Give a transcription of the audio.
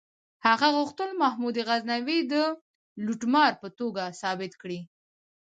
هغه غوښتل محمود غزنوي د لوټمار په توګه ثابت کړي.